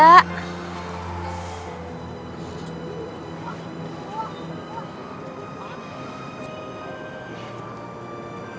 lo apaan sih ndra